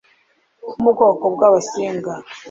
bo mu bwoko bw'Abasinga.